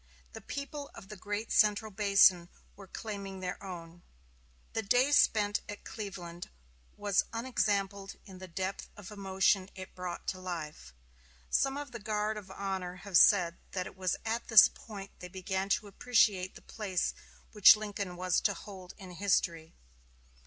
The people of the great central basin were claiming their own. The day spent at Cleveland was unexampled in the depth of emotion it brought to life. Some of the guard of honor have said that it was at this point they began to appreciate the place which Lincoln was to hold in history.